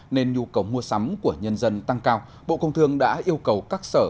nên nhu cầu mua sắm của nhân dân tăng cao bộ công thương đã yêu cầu các sở